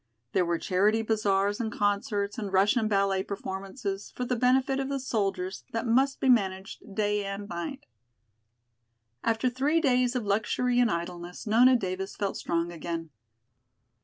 There were charity bazaars and concerts and Russian ballet performances, for the benefit of the soldiers, that must be managed day and night. After three days of luxury and idleness Nona Davis felt strong again.